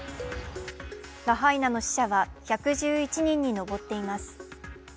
ラハイナの死者は１１１人に上っています。